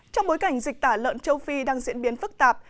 trong bối cảnh dịch tả lợn châu phi đang diễn biến phức tạp